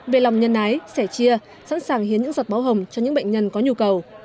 về lòng nhân ái sẻ chia sẵn sàng hiến những giọt máu hồng cho những bệnh nhân có nhu cầu